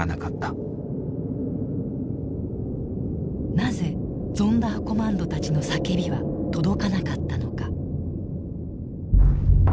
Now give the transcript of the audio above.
なぜゾンダーコマンドたちの叫びは届かなかったのか。